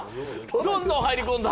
どんどん入り込んだ。